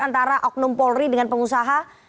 antara oknum polri dengan pengusaha